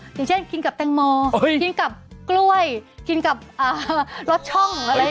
อย่างเช่นกินกับแตงโมกินกับกล้วยกินกับรสช่องอะไร